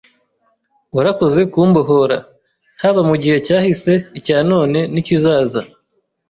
Warakoze kumbohora, haba mu gihe cyahise, icya none n’ikizaza.